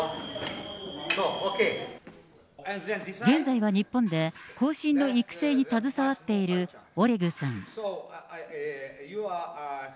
現在は日本で後進の育成に携わっているオレグさん。